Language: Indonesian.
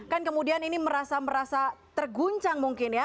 kan kemudian ini merasa merasa terguncang mungkin ya